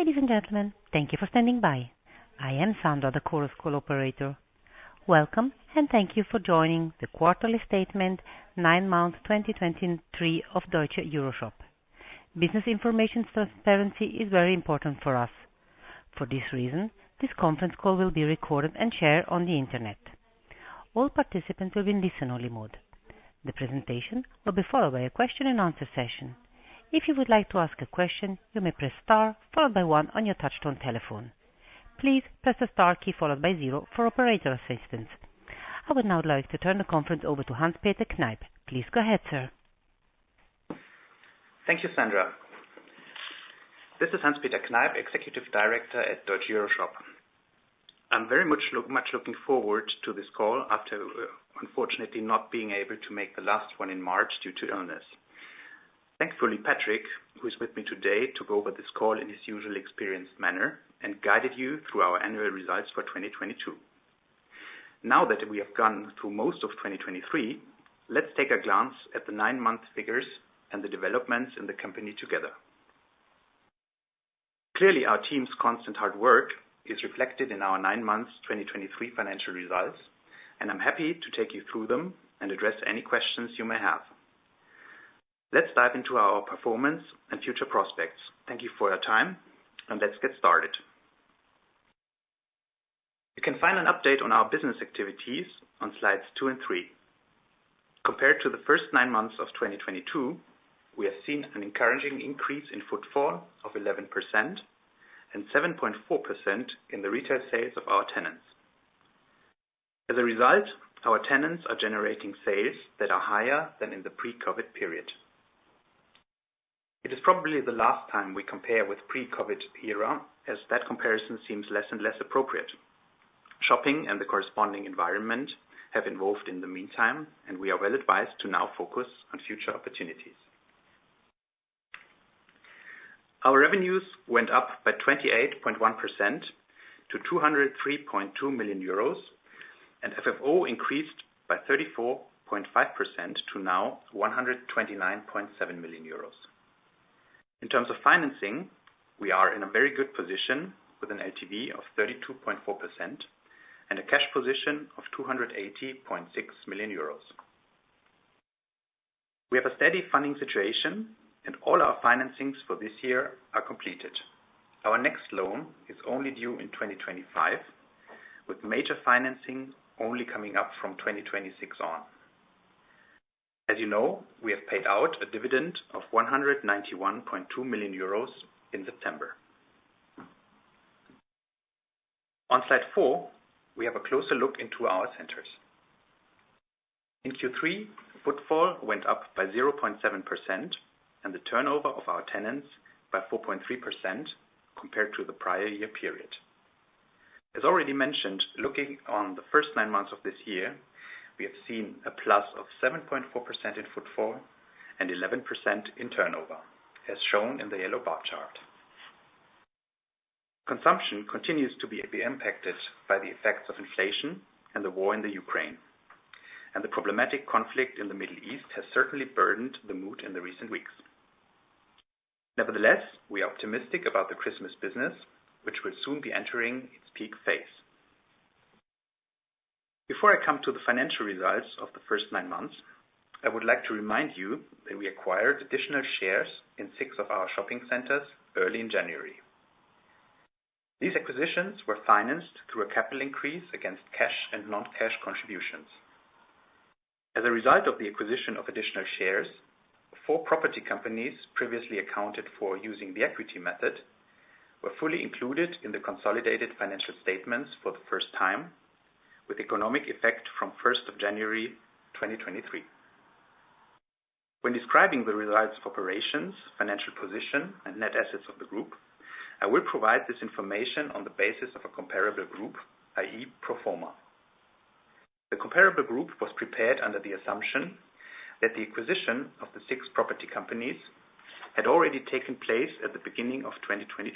Ladies and gentlemen, thank you for standing by. I am Sandra, the Chorus Call operator. Welcome, and thank you for joining the quarterly statement 9 months, 2023 of Deutsche EuroShop. Business information transparency is very important for us. For this reason, this conference call will be recorded and shared on the Internet. All participants will be in listen-only mode. The presentation will be followed by a question and answer session. If you would like to ask a question, you may press Star, followed by One on your touch-tone telephone. Please press the Star key followed by zero for operator assistance. I would now like to turn the conference over to Hans-Peter Kneip. Please go ahead, sir. Thank you, Sandra. This is Hans-Peter Kneip, Executive Director at Deutsche EuroShop. I'm very much looking forward to this call after, unfortunately, not being able to make the last one in March due to illness. Thankfully, Patrick, who is with me today, took over this call in his usual experienced manner and guided you through our annual results for 2022. Now that we have gone through most of 2023, let's take a glance at the nine-month figures and the developments in the company together. Clearly, our team's constant hard work is reflected in our nine months 2023 financial results, and I'm happy to take you through them and address any questions you may have. Let's dive into our performance and future prospects. Thank you for your time, and let's get started. You can find an update on our business activities on slides 2 and 3. Compared to the first 9 months of 2022, we have seen an encouraging increase in footfall of 11% and 7.4% in the retail sales of our tenants. As a result, our tenants are generating sales that are higher than in the pre-COVID period. It is probably the last time we compare with pre-COVID era, as that comparison seems less and less appropriate. Shopping and the corresponding environment have evolved in the meantime, and we are well advised to now focus on future opportunities. Our revenues went up by 28.1% to 203.2 million euros, and FFO increased by 34.5% to now 129.7 million euros. In terms of financing, we are in a very good position with an LTV of 32.4% and a cash position of 280.6 million euros. We have a steady funding situation, and all our financings for this year are completed. Our next loan is only due in 2025, with major financing only coming up from 2026 on. As you know, we have paid out a dividend of 191.2 million euros in September. On slide four, we have a closer look into our centers. In Q3, footfall went up by 0.7% and the turnover of our tenants by 4.3% compared to the prior year period. As already mentioned, looking on the first nine months of this year, we have seen a plus of 7.4% in footfall and 11% in turnover, as shown in the yellow bar chart. Consumption continues to be impacted by the effects of inflation and the war in the Ukraine, and the problematic conflict in the Middle East has certainly burdened the mood in the recent weeks. Nevertheless, we are optimistic about the Christmas business, which will soon be entering its peak phase. Before I come to the financial results of the first nine months, I would like to remind you that we acquired additional shares in six of our shopping centers early in January. These acquisitions were financed through a capital increase against cash and non-cash contributions. As a result of the acquisition of additional shares, 4 property companies previously accounted for using the equity method were fully included in the consolidated financial statements for the first time, with economic effect from January 1, 2023. When describing the results of operations, financial position, and net assets of the group, I will provide this information on the basis of a comparable group, i.e., pro forma. The comparable group was prepared under the assumption that the acquisition of the 6 property companies had already taken place at the beginning of 2022.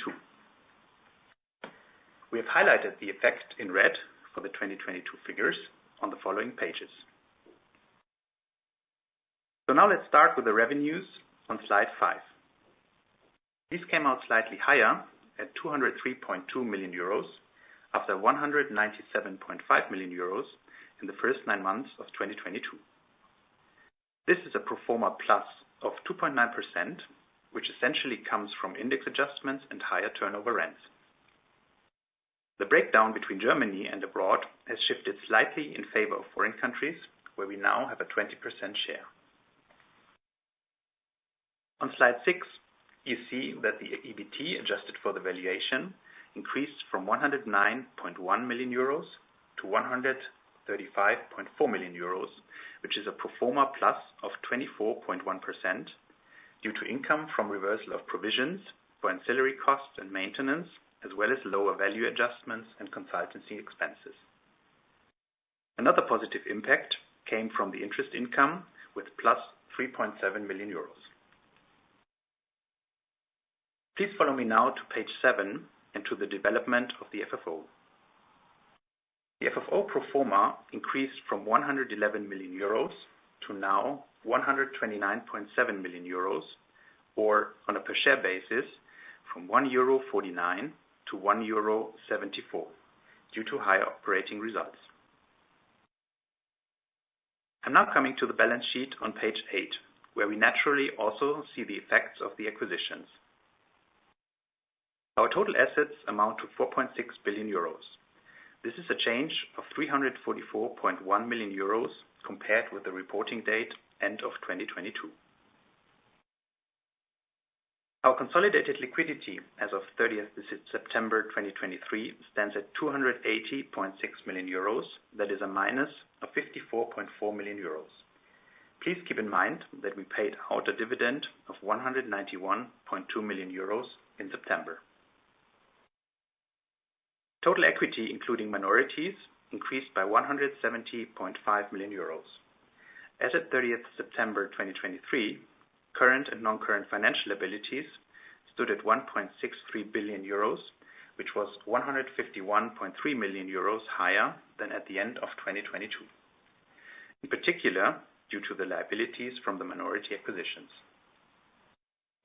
We have highlighted the effect in red for the 2022 figures on the following pages. Now let's start with the revenues on slide 5. This came out slightly higher at 203.2 million euros, after 197.5 million euros in the first nine months of 2022. This is a pro forma plus of 2.9%, which essentially comes from index adjustments and higher turnover rents. The breakdown between Germany and abroad has shifted slightly in favor of foreign countries, where we now have a 20% share. On slide 6, you see that the EBT, adjusted for the valuation, increased from 109.1 million euros to 135.4 million euros, which is a pro forma plus of 24.1%, due to income from reversal of provisions for ancillary costs and maintenance, as well as lower value adjustments and consultancy expenses. Another positive impact came from the interest income with +3.7 million euros. Please follow me now to page 7 and to the development of the FFO. The FFO pro forma increased from 111 million euros to now 129.7 million euros, or on a per share basis, from 1.49 euro to 1.74 euro, due to higher operating results. I'm now coming to the balance sheet on page 8, where we naturally also see the effects of the acquisitions. Our total assets amount to 4.6 billion euros. This is a change of 344.1 million euros compared with the reporting date, end of 2022. Our consolidated liquidity as of 30th September 2023, stands at 280.6 million euros. That is a minus of 54.4 million euros. Please keep in mind that we paid out a dividend of 191.2 million euros in September. Total equity, including minorities, increased by 170.5 million euros. As of 30th September 2023, current and non-current financial liabilities stood at 1.63 billion euros, which was 151.3 million euros higher than at the end of 2022. In particular, due to the liabilities from the minority acquisitions.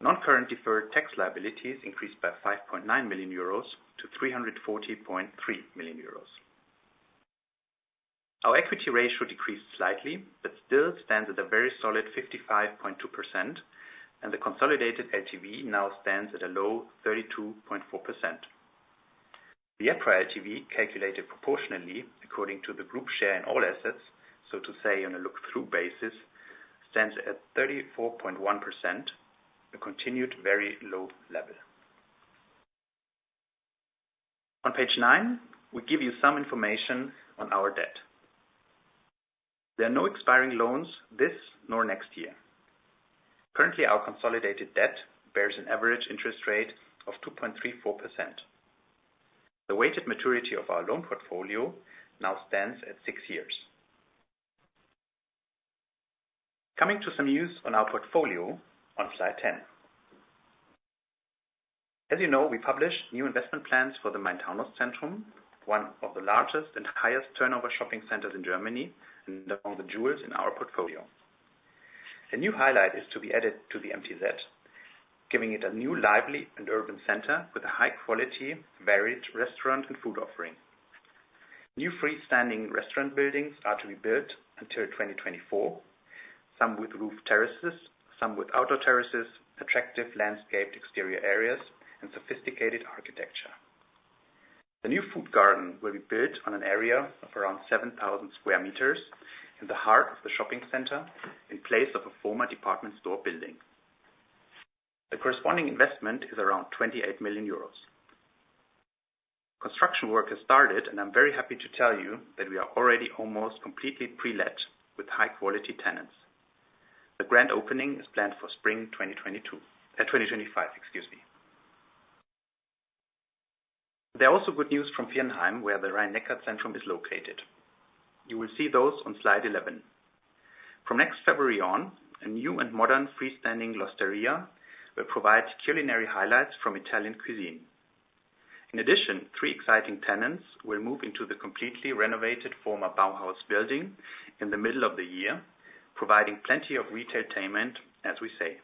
Non-current deferred tax liabilities increased by 5.9 million euros to 340.3 million euros. Our equity ratio decreased slightly, but still stands at a very solid 55.2%, and the consolidated LTV now stands at a low 32.4%. The EPRA LTV, calculated proportionally according to the group share in all assets, so to say, on a look-through basis, stands at 34.1%, a continued very low level. On page nine, we give you some information on our debt. There are no expiring loans this nor next year. Currently, our consolidated debt bears an average interest rate of 2.34%. The weighted maturity of our loan portfolio now stands at six years. Coming to some news on our portfolio on slide 10. As you know, we published new investment plans for the Main-Taunus-Zentrum, one of the largest and highest turnover shopping centers in Germany, and among the jewels in our portfolio. A new highlight is to be added to the MTZ, giving it a new, lively, and urban center with a high quality, varied restaurant and food offering. New freestanding restaurant buildings are to be built until 2024, some with roof terraces, some with outdoor terraces, attractive landscaped exterior areas, and sophisticated architecture. The new Food Garden will be built on an area of around 7,000 square meters in the heart of the shopping center, in place of a former department store building. The corresponding investment is around 28 million euros. Construction work has started, and I'm very happy to tell you that we are already almost completely pre-let with high-quality tenants. The grand opening is planned for spring 2022, 2025, excuse me. There are also good news from Viernheim, where the Rhein-Neckar-Zentrum is located. You will see those on slide 11. From next February on, a new and modern freestanding L'Osteria will provide culinary highlights from Italian cuisine. In addition, three exciting tenants will move into the completely renovated former Bauhaus building in the middle of the year, providing plenty of Retailtainment, as we say.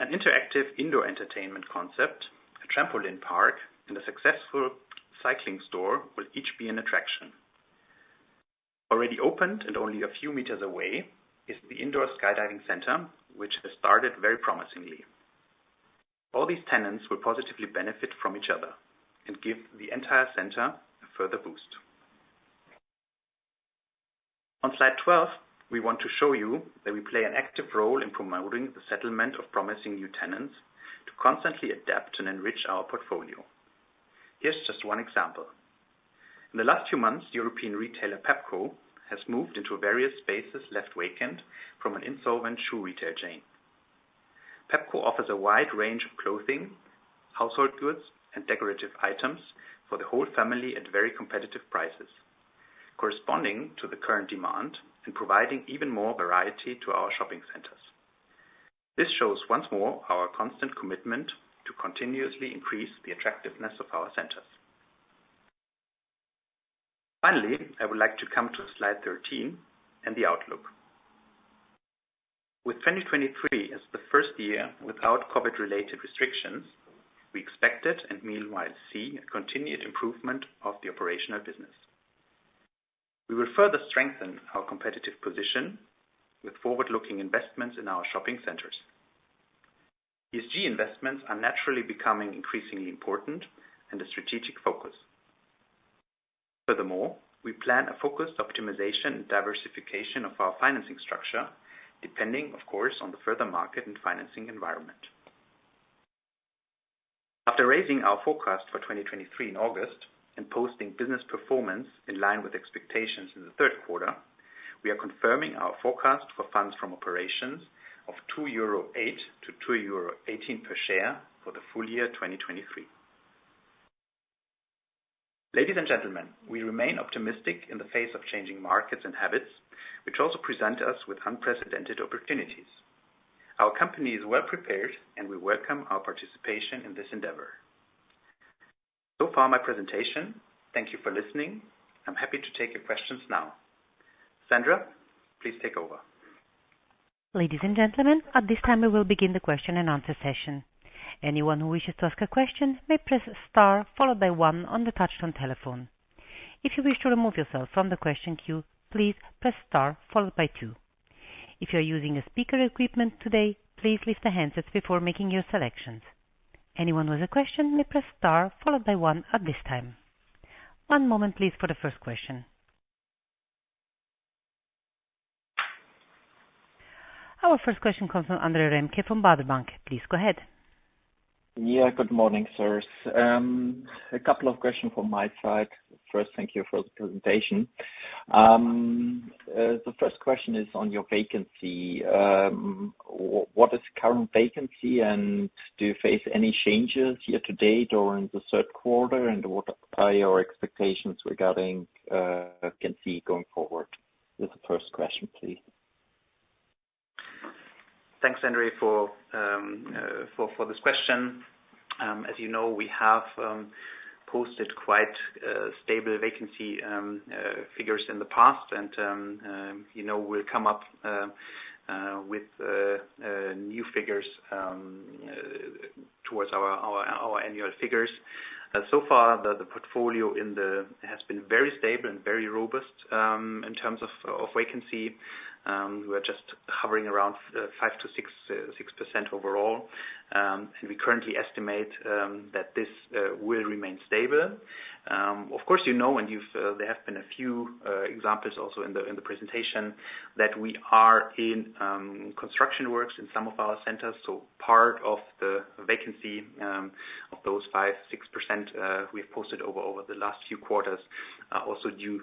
An interactive indoor entertainment concept, a trampoline park, and a successful cycling store will each be an attraction. Already opened and only a few meters away is the indoor skydiving center, which has started very promisingly. All these tenants will positively benefit from each other and give the entire center a further boost. On slide 12, we want to show you that we play an active role in promoting the settlement of promising new tenants to constantly adapt and enrich our portfolio. Here's just one example: In the last few months, European retailer Pepco has moved into various spaces left vacant from an insolvent shoe retail chain. Pepco offers a wide range of clothing, household goods, and decorative items for the whole family at very competitive prices, corresponding to the current demand and providing even more variety to our shopping centers. This shows once more our constant commitment to continuously increase the attractiveness of our centers. Finally, I would like to come to slide 13 and the outlook. With 2023 as the first year without COVID-related restrictions, we expected, and meanwhile see, a continued improvement of the operational business. We will further strengthen our competitive position with forward-looking investments in our shopping centers. ESG investments are naturally becoming increasingly important and a strategic focus. Furthermore, we plan a focused optimization and diversification of our financing structure, depending, of course, on the further market and financing environment. After raising our forecast for 2023 in August, and posting business performance in line with expectations in the third quarter, we are confirming our forecast for funds from operations of 2.08-2.18 euro per share for the full year 2023. Ladies and gentlemen, we remain optimistic in the face of changing markets and habits, which also present us with unprecedented opportunities. Our company is well prepared, and we welcome our participation in this endeavor. So far, my presentation. Thank you for listening. I'm happy to take your questions now. Sandra, please take over. Ladies and gentlemen, at this time, we will begin the question and answer session. Anyone who wishes to ask a question may press star, followed by one on the touchtone telephone. If you wish to remove yourself from the question queue, please press star followed by two. If you're using a speaker equipment today, please lift the handsets before making your selections. Anyone with a question may press star, followed by one at this time. One moment, please, for the first question. Our first question comes from André Remke from Baader Bank. Please go ahead. Yeah, good morning, sirs. A couple of questions from my side. First, thank you for the presentation. The first question is on your vacancy. What is current vacancy, and do you face any changes year to date or in the third quarter, and what are your expectations regarding vacancy going forward? That's the first question, please. Thanks, André, for this question. As you know, we have posted quite stable vacancy figures in the past, and you know, we'll come up with new figures towards our annual figures. So far, the portfolio has been very stable and very robust in terms of vacancy. We're just hovering around 5%-6% overall. And we currently estimate that this will remain stable. Of course, you know, and there have been a few examples also in the presentation that we are in construction works in some of our centers. So part of the vacancy of those 5-6% we've posted over the last few quarters are also due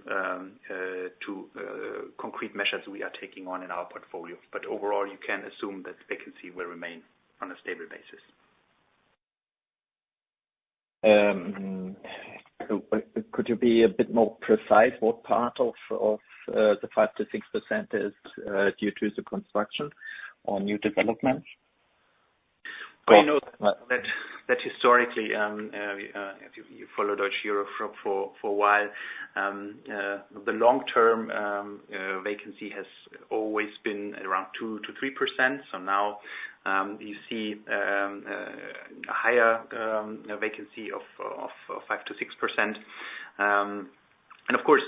to concrete measures we are taking on in our portfolio. But overall, you can assume that vacancy will remain on a stable basis. Could you be a bit more precise what part of the 5%-6% is due to the construction or new development? We know that historically, if you follow Deutsche EuroShop for a while, the long term vacancy has always been around 2%-3%. So now, you see a higher vacancy of 5%-6%. And of course,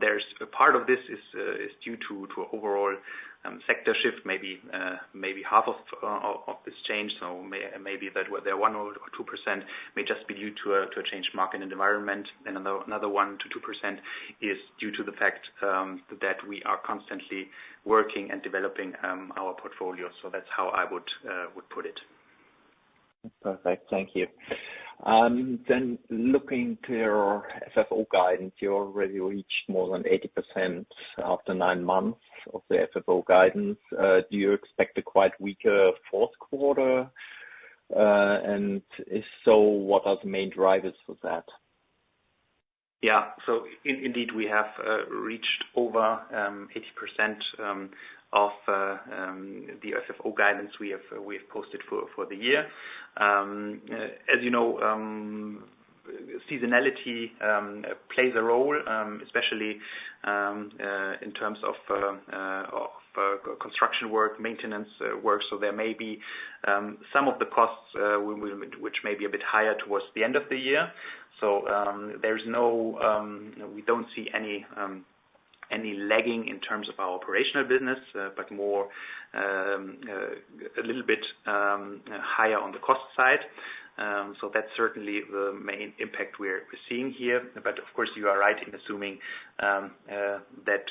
there's a part of this is due to overall sector shift, maybe half of this change. So maybe that 1 or 2 percent may just be due to a changed market environment, and another 1-2 percent is due to the fact that we are constantly working and developing our portfolio. So that's how I would put it. Perfect. Thank you. Then looking to your FFO guidance, you already reached more than 80% after nine months of the FFO guidance. Do you expect a quite weaker fourth quarter? And if so, what are the main drivers for that? Yeah. So indeed, we have reached over 80% of the FFO guidance we have posted for the year. As you know, seasonality plays a role, especially in terms of construction work, maintenance work. So there may be some of the costs which may be a bit higher towards the end of the year. So, there's no, we don't see any lagging in terms of our operational business, but more a little bit higher on the cost side. So that's certainly the main impact we're seeing here. But of course, you are right in assuming that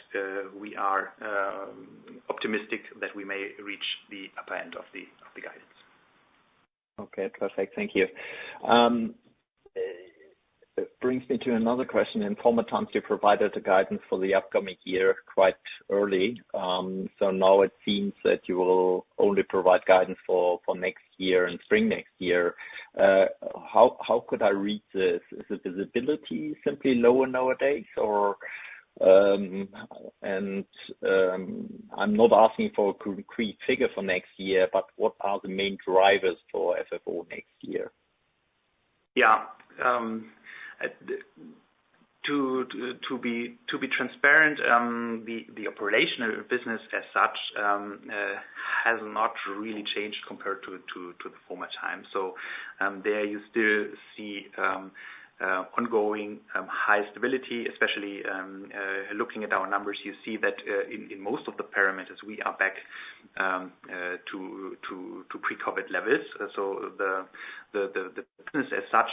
we are optimistic that we may reach the upper end of the guidance. Okay, perfect. Thank you. Brings me to another question. In former times, you provided a guidance for the upcoming year, quite early. So now it seems that you will only provide guidance for next year in spring next year. How could I read this? Is the visibility simply lower nowadays? I'm not asking for a concrete figure for next year, but what are the main drivers for FFO next year? Yeah. To be transparent, the operational business as such has not really changed compared to the former time. So, there you still see ongoing high stability, especially looking at our numbers, you see that in most of the parameters we are back to pre-COVID levels. So the business as such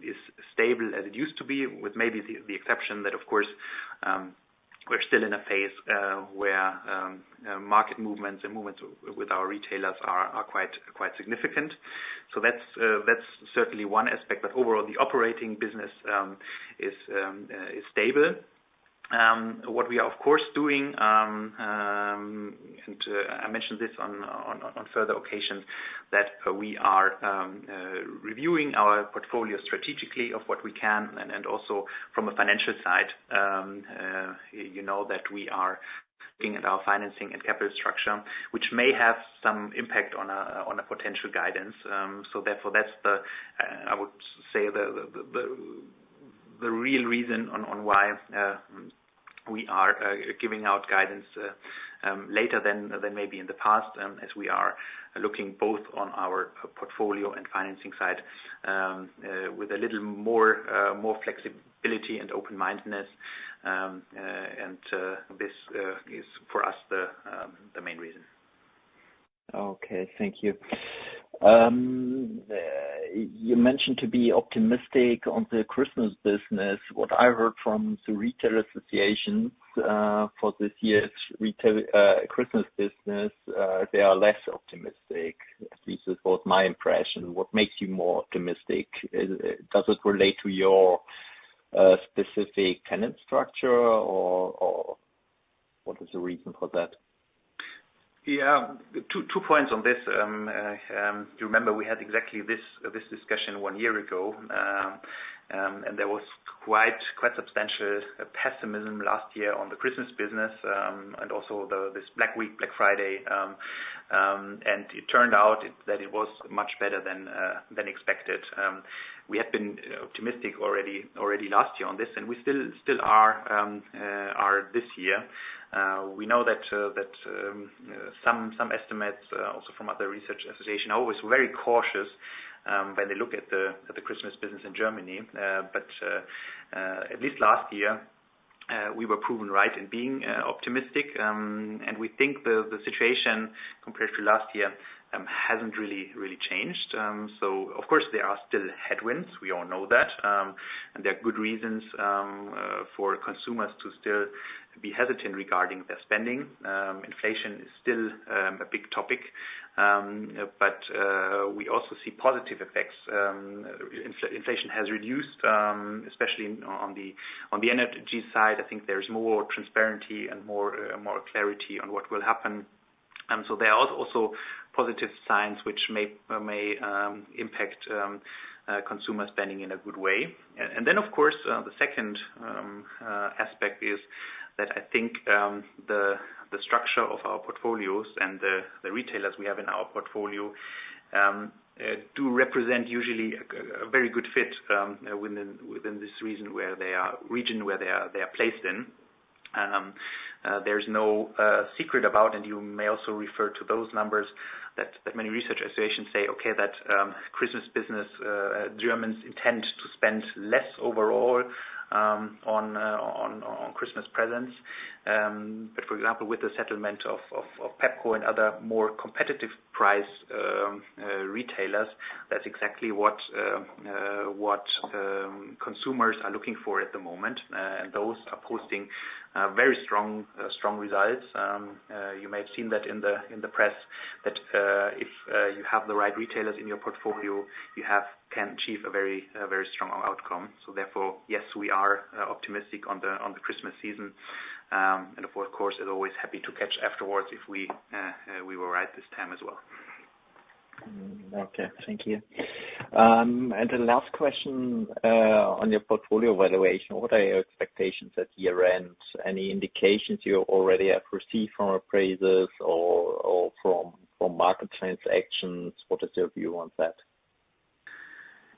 is stable as it used to be, with maybe the exception that, of course, we're still in a phase where market movements and movements with our retailers are quite significant. So that's certainly one aspect, but overall, the operating business is stable. What we are, of course, doing, and I mentioned this on further occasions, that we are reviewing our portfolio strategically of what we can, and also from a financial side, you know, that we are looking at our financing and capital structure, which may have some impact on a potential guidance. So therefore, that's the, I would say, the real reason on why we are giving out guidance later than maybe in the past, as we are looking both on our portfolio and financing side, with a little more flexibility and open-mindedness. And this is for us, the main reason. Okay. Thank you. You mentioned to be optimistic on the Christmas business. What I heard from the retail associations, for this year's retail, Christmas business, they are less optimistic. At least that was my impression. What makes you more optimistic? Does it relate to your specific tenant structure, or what is the reason for that? Yeah. Two points on this. You remember we had exactly this discussion one year ago. And there was quite substantial pessimism last year on the Christmas business, and also this Black Week, Black Friday. And it turned out that it was much better than expected. We had been optimistic already last year on this, and we still are this year. We know that some estimates, also from other research association, are always very cautious when they look at the Christmas business in Germany. But at least last year, we were proven right in being optimistic. And we think the situation compared to last year hasn't really changed. So of course, there are still headwinds. We all know that. And there are good reasons for consumers to still be hesitant regarding their spending. Inflation is still a big topic. But we also see positive effects. Inflation has reduced, especially on the energy side. I think there's more transparency and more clarity on what will happen. So there are also positive signs which may impact consumer spending in a good way. And then, of course, the second aspect is that I think the structure of our portfolios and the retailers we have in our portfolio do represent usually a very good fit within this region where they are placed in. There's no secret about, and you may also refer to those numbers, that many research associations say, okay, that Christmas business, Germans intend to spend less overall, on Christmas presents. But, for example, with the settlement of Pepco and other more competitive price retailers, that's exactly what consumers are looking for at the moment. And those are posting very strong results. You may have seen that in the press, if you have the right retailers in your portfolio, can achieve a very strong outcome. So therefore, yes, we are optimistic on the Christmas season. And of course, as always, happy to catch afterwards if we were right this time as well. Okay. Thank you. And the last question, on your portfolio valuation, what are your expectations at year-end? Any indications you already have received from appraisers or from market transactions? What is your view on that?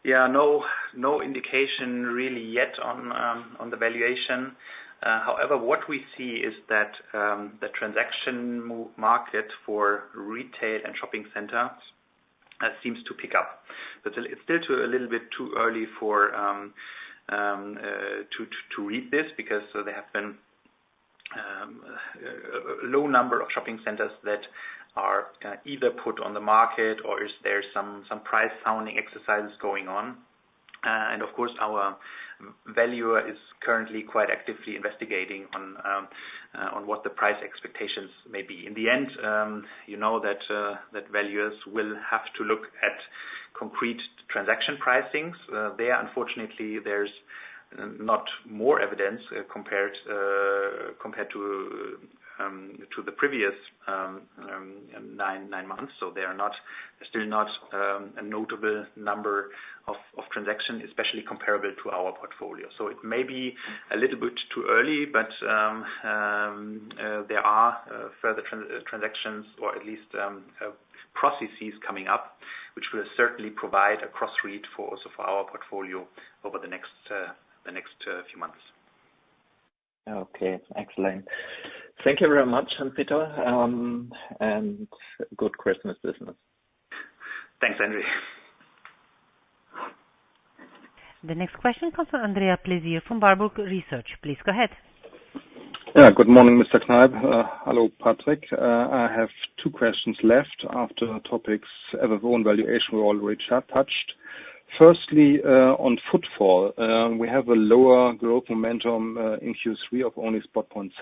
Yeah. No, no indication really yet on the valuation. However, what we see is that the transaction market for retail and shopping centers seems to pick up. But it's still a little bit too early to read this, because there have been low number of shopping centers that are either put on the market or is there some price finding exercises going on. And of course, our valuer is currently quite actively investigating on what the price expectations may be. In the end, you know that valuers will have to look at concrete transaction pricings. There, unfortunately, there's not more evidence compared to the previous 9 months. So they are not still not a notable number of transactions, especially comparable to our portfolio. So it may be a little bit too early, but there are further transactions or at least processes coming up, which will certainly provide a cross read for also for our portfolio over the next the next few months. Okay, excellent. Thank you very much, Hans-Peter, and good Christmas business. Thanks, André. The next question comes from Andreas Pläsier from Warburg Research. Please go ahead. Yeah. Good morning, Mr. Kneip. Hello, Patrick. I have two questions left after the topics, evaluation we already touched. Firstly, on footfall. We have a lower growth momentum in Q3 of only 0.7.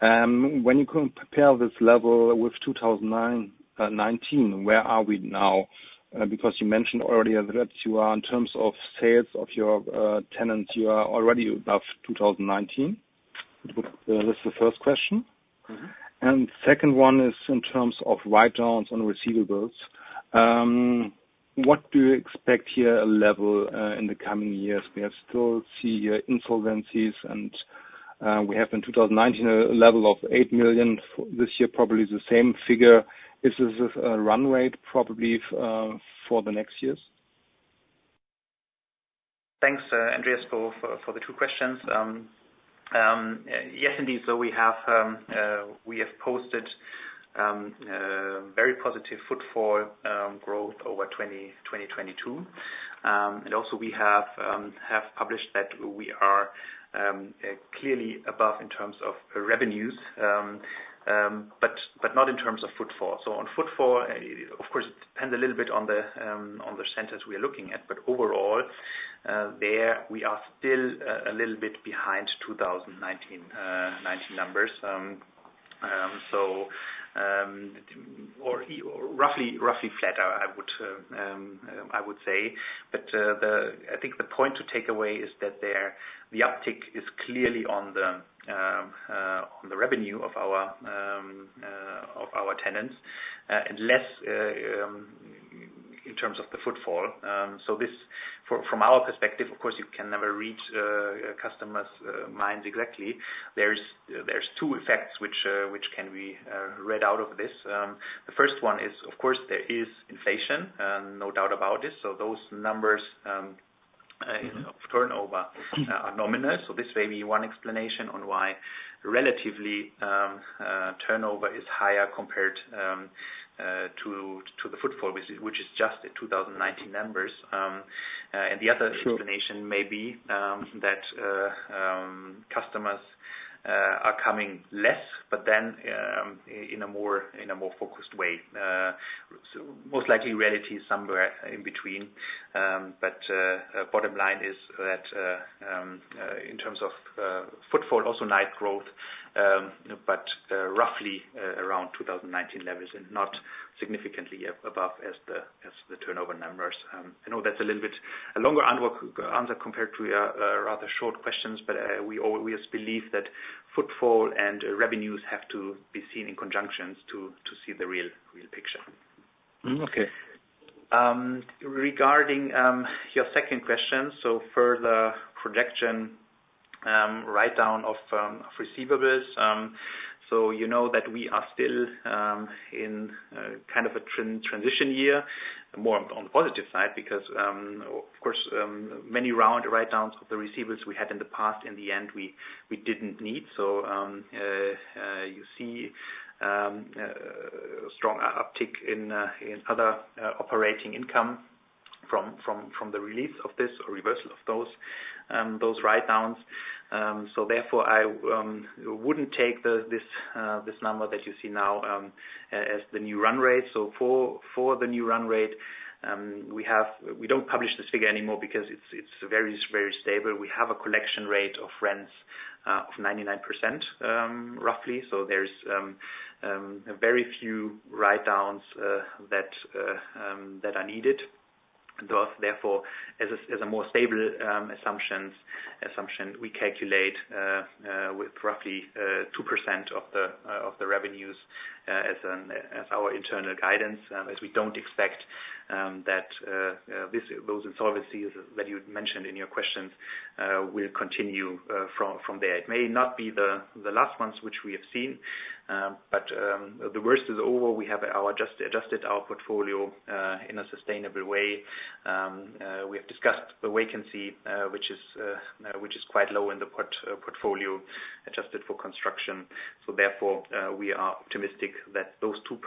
When you compare this level with 2019, where are we now? Because you mentioned already that you are, in terms of sales of your tenants, you are already above 2019. This is the first question. Mm-hmm. Second one is in terms of write-downs on receivables. What do you expect here, a level, in the coming years? We are still see insolvencies, and we have in 2019, a level of 8 million, this year, probably the same figure. Is this a run rate, probably, for the next years? Thanks, Andreas, for the two questions. Yes, indeed. So we have posted very positive footfall growth over 2022. And also we have published that we are clearly above in terms of revenues, but not in terms of footfall. So on footfall, of course, it depends a little bit on the centers we are looking at, but overall, there we are still a little bit behind 2019 numbers. So, or roughly flatter, I would say. But, I think the point to take away is that there, the uptick is clearly on the revenue of our tenants, and less in terms of the footfall. So this, from our perspective, of course, you can never read a customer's minds exactly. There's two effects which can be read out of this. The first one is, of course, there is inflation, and no doubt about this. So those numbers of turnover are nominal. So this may be one explanation on why relatively turnover is higher compared to the footfall, which is just the 2019 numbers. And the other explanation may be that customers are coming less, but then in a more focused way. So most likely, reality is somewhere in between. But bottom line is that in terms of footfall, also nice growth, but roughly around 2019 levels and not significantly above as the turnover numbers. I know that's a little bit longer answer compared to rather short questions, but we always believe that footfall and revenues have to be seen in conjunction to see the real picture. Okay. Regarding your second question, so for the projection, write-down of receivables. So you know that we are still in kind of a transition year, more on the positive side, because of course many around write-downs of the receivables we had in the past, in the end, we didn't need. So you see strong uptick in other operating income from the release of this or reversal of those write-downs. So therefore, I wouldn't take this number that you see now as the new run rate. So for the new run rate, we have we don't publish this figure anymore because it's very stable. We have a collection rate of rents of 99%, roughly. So there's very few write-downs that are needed. Thus, therefore, as a more stable assumption, we calculate with roughly 2% of the revenues as our internal guidance, as we don't expect that those insolvencies that you mentioned in your questions will continue from there. It may not be the last ones which we have seen, but the worst is over. We have adjusted our portfolio in a sustainable way. We have discussed the vacancy which is quite low in the portfolio, adjusted for construction. So therefore, we are optimistic that those 2%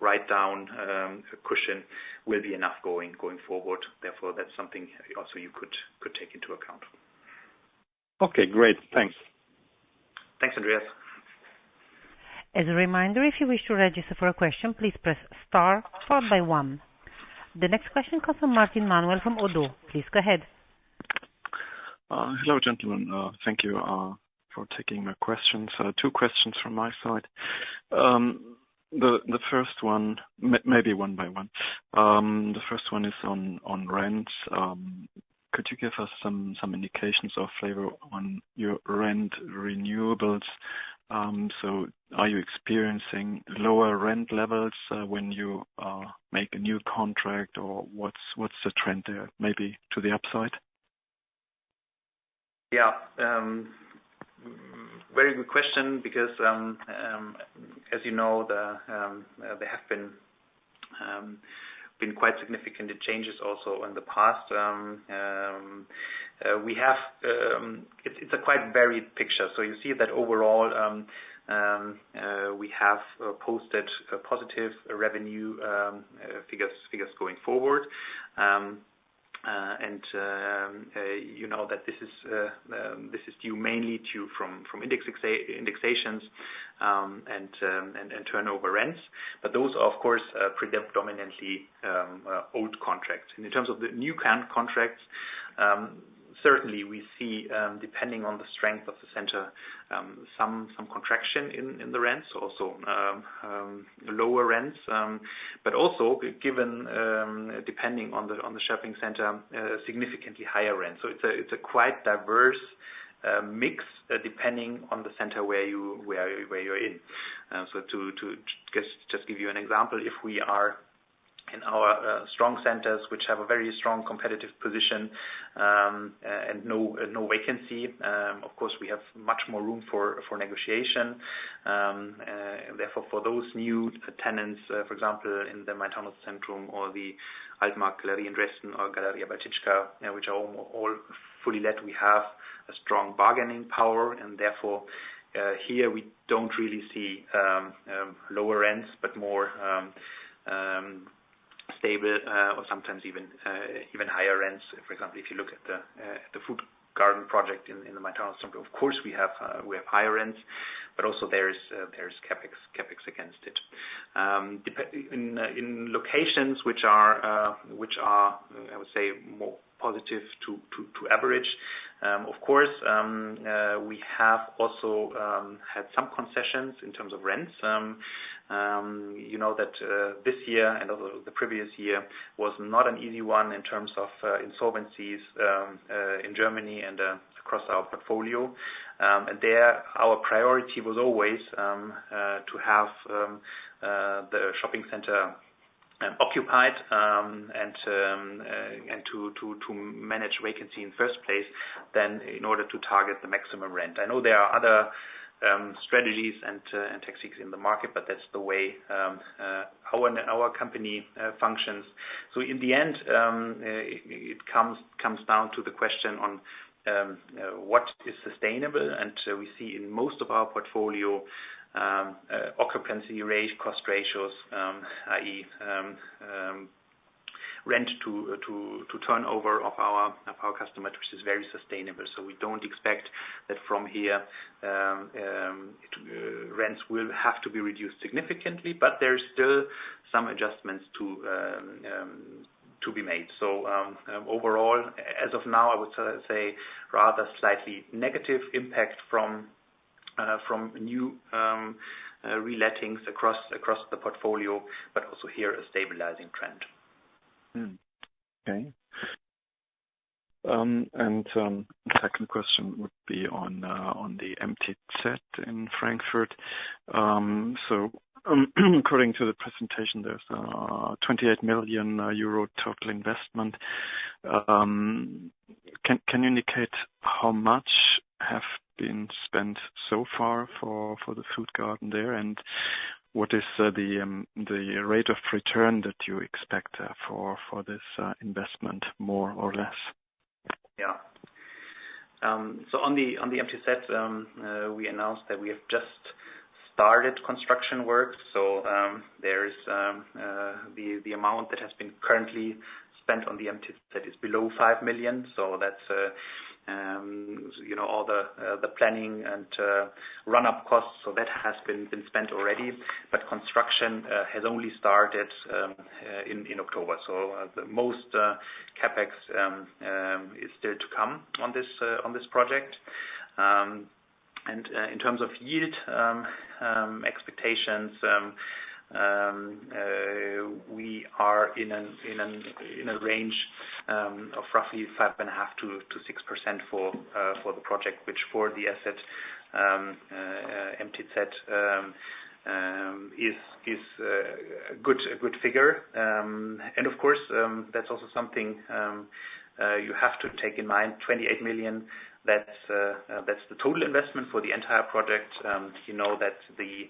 write down cushion will be enough going forward. Therefore, that's something also you could take into account. Okay, great. Thanks. Thanks, Andreas. As a reminder, if you wish to register for a question, please press star followed by one. The next question comes from Manuel Martin from ODDO BHF. Please go ahead. Hello, gentlemen. Thank you for taking my questions. Two questions from my side. The first one, maybe one by one. The first one is on rent. Could you give us some indications or flavor on your rent renewals? So are you experiencing lower rent levels when you make a new contract, or what's the trend there? Maybe to the upside. Yeah, very good question, because, as you know, there have been quite significant changes also in the past. We have. It's a quite varied picture. So you see that overall, we have posted positive revenue figures going forward. And you know that this is due mainly to indexations and turnover rents. But those are, of course, predominantly old contracts. In terms of the new contracts, certainly we see, depending on the strength of the center, some contraction in the rents, also lower rents, but also, depending on the shopping center, significantly higher rent. So it's a quite diverse-... A mix, depending on the center where you're in. So to just give you an example, if we are in our strong centers, which have a very strong competitive position, and no vacancy, of course, we have much more room for negotiation. Therefore, for those new tenants, for example, in the Main-Taunus-Zentrum or the Altmarkt-Galerie Dresden, or Galeria Bałtycka, which are all fully let, we have a strong bargaining power, and therefore, here we don't really see lower rents, but more stable, or sometimes even higher rents. For example, if you look at the Food Garden project in the Main-Taunus-Zentrum. So of course, we have higher rents, but also there is CapEx against it. In locations which are, I would say, more positive to average. Of course, we have also had some concessions in terms of rents. You know, that this year and the previous year was not an easy one in terms of insolvencies in Germany and across our portfolio. And there, our priority was always to have the shopping center occupied and to manage vacancy in first place, then in order to target the maximum rent. I know there are other strategies and tactics in the market, but that's the way our company functions. So in the end, it comes down to the question on what is sustainable? And we see in most of our portfolio occupancy rate, cost ratios, i.e., rent to turnover of our customers, which is very sustainable. So we don't expect that from here, rents will have to be reduced significantly, but there is still some adjustments to be made. So overall, as of now, I would say rather slightly negative impact from new relettings across the portfolio, but also here, a stabilizing trend. Okay. And the second question would be on the MTZ in Frankfurt. So, according to the presentation, there's 28 million euro total investment. Can you indicate how much have been spent so far for the Food Garden there? And what is the rate of return that you expect for this investment, more or less? Yeah. So on the MTZ, we announced that we have just started construction work. So, there is the amount that has been currently spent on the MTZ is below 5 million. So that's, you know, all the planning and run-up costs. So that has been spent already, but construction has only started in October. So the most CapEx is still to come on this project. And in terms of yield expectations, we are in a range of roughly 5.5%-6% for the project, which for the asset MTZ is a good figure. And of course, that's also something you have to take in mind, 28 million. That's the total investment for the entire project. You know that the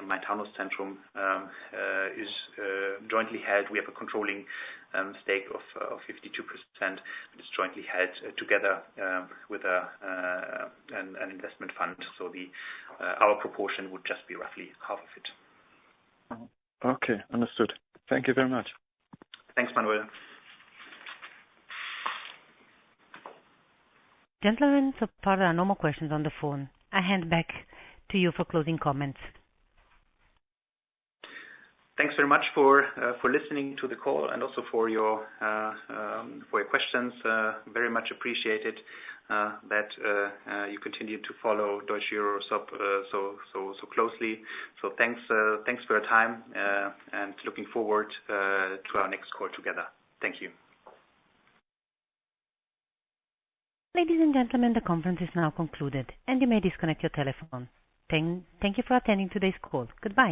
Main-Taunus-Zentrum is jointly held. We have a controlling stake of 52%, and it's jointly held together with an investment fund. So our proportion would just be roughly half of it. Uh-huh. Okay, understood. Thank you very much. Thanks, Manuel. Gentlemen, so far there are no more questions on the phone. I hand back to you for closing comments. Thanks very much for listening to the call and also for your questions. Very much appreciated that you continue to follow Deutsche EuroShop so closely. So thanks for your time and looking forward to our next call together. Thank you. Ladies and gentlemen, the conference is now concluded, and you may disconnect your telephone. Thank, thank you for attending today's call. Goodbye.